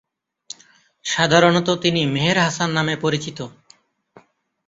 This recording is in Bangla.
সাধারণত তিনি মেহের হাসান নামে পরিচিত।